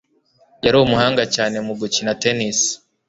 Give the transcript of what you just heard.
Yari umuhanga cyane mu gukina tennis.